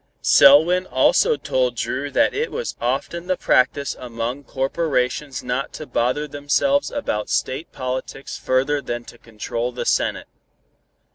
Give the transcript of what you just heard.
Selwyn also told Dru that it was often the practice among corporations not to bother themselves about state politics further than to control the Senate.